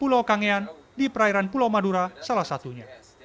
pulau kangean di perairan pulau madura salah satunya